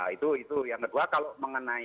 itu itu yang kedua kalau mengenai